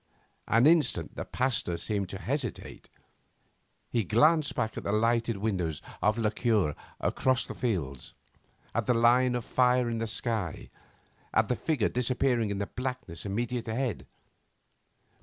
An instant the Pasteur seemed to hesitate. He glanced back at the lighted window of la cure across the fields, at the line of fire in the sky, at the figure disappearing in the blackness immediately ahead.